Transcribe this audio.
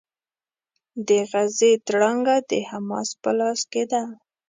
د غزې تړانګه د حماس په لاس کې ده.